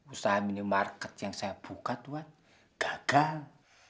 usaha minimarket yang saya buka tuhan gagal